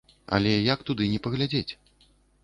Але як туды не паглядзець.